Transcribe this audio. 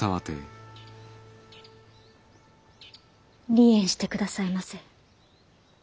離縁してくださいませ。